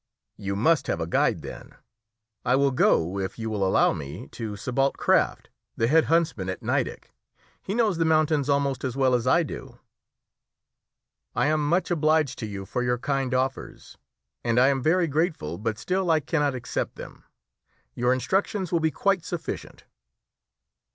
"You must have a guide, then. I will go, if you will allow me, to Sébalt Kraft, the head huntsman at Nideck. He knows the mountains almost as well as I do." "I am much obliged to you for your kind offers, and I am very grateful, but still I cannot accept them. Your instructions will be quite sufficient."